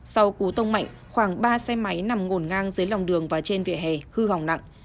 sau cú tông mạnh khoảng ba xe máy nằm ngổn ngang dưới lòng đường và trên vỉa hè hư hỏng nặng